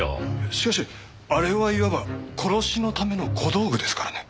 しかしあれはいわば殺しのための小道具ですからね。